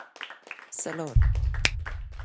สลด